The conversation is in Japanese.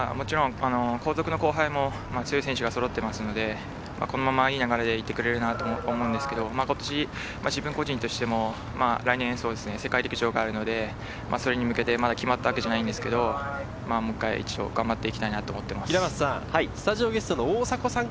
もちろん後続の後輩も強い選手がそろっているので、このままいい流れでいってくれるといいなと思うんですけど、自分個人としても来年、世界陸上があるので、それに向けてまだ決まったわけじゃないんですけど、もう１回頑張っていきたいと思っています。